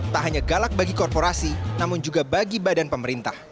tak hanya galak bagi korporasi namun juga bagi badan pemerintah